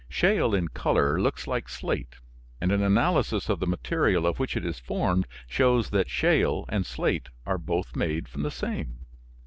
Shale in color looks like slate, and an analysis of the material of which it is formed shows that shale and slate are both made from the same.